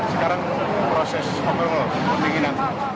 sekarang proses pembeli beli